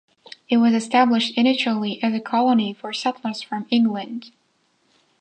It was established initially as a colony for settlers from England.